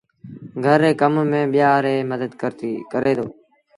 گھر ري ڪم ميݩ ٻيٚآݩ ريٚ مدت ڪري دو